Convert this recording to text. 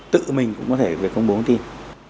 tự mình cũng có thể việc công bố thông tin